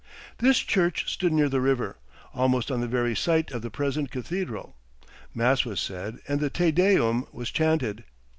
This church stood near the river, almost on the very site of the present cathedral. Mass was said, and the Te Deum was chanted.